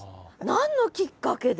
何のきっかけで？